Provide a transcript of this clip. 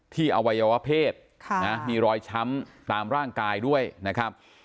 อวัยวะเพศมีรอยช้ำตามร่างกายด้วยนะครับ